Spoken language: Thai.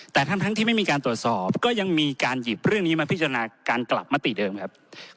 แต่ทั้งที่ไม่มีการตรวจสอบก็ยังมีการหยิบเรื่องนี้มาพิจารณาการกลับมติเดิมครับ